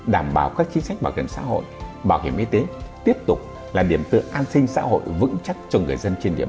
đảm bảo các chính sách bảo hiểm xã hội bảo hiểm y tế tiếp tục là điểm tựa an sinh xã hội vững chắc cho người dân trên địa bàn